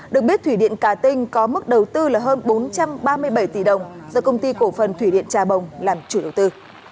được biết thủy điện trà tinh có mức đầu tư là hơn bốn trăm ba mươi bảy tỷ đồng do công ty cổ phần thủy điện trà bồng làm chủ đầu tư